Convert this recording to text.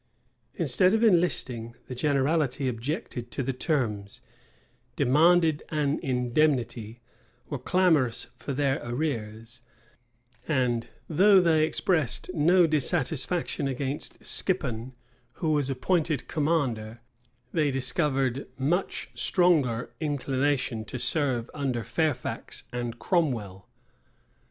[*] instead of enlisting, the generality objected to the terms; demanded an indemnity; were clamorous for their arrears; and, though they expressed no dissatisfaction against Skippon, who was appointed commander, they discovered much stronger inclination to serve under Fairfax and Cromwell.